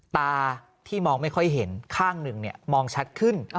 ตาที่มองไม่ค่อยเห็นข้างหนึ่งมองชัดขึ้น